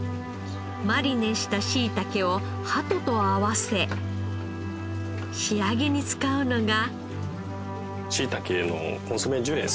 マリネしたしいたけをハトと合わせ仕上げに使うのが。